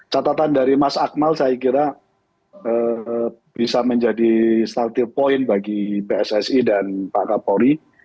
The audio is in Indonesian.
catatan dari mas akmal saya kira bisa menjadi starting point bagi pssi dan pak kapolri